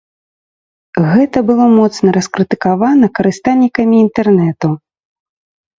Гэта было моцна раскрытыкавана карыстальнікамі інтэрнэту.